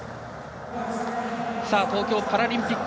東京パラリンピック